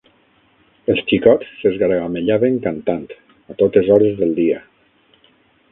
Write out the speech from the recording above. Els xicots s'esgargamellaven cantant, a totes hores del dia